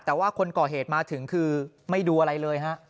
แต่ว่าคนก่อเหตุมาถึงคือไม่ดูอะไรเลยฮะ